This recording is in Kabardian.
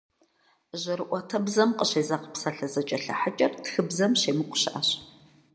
Жьэрыӏуэтэбзэм къыщезэгъ псалъэ зэкӏэлъыхьыкӏэр тхыбзэм щемыкӏу щыӏэщ.